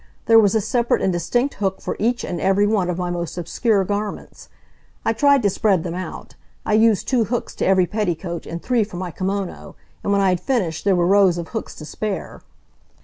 There was a separate and distinct hook for each and every one of my most obscure garments. I tried to spread them out. I used two hooks to every petticoat, and three for my kimono, and when I had finished there were rows of hooks to spare.